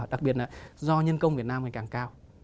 đặc biệt là do nhân công việt nam ngày càng cao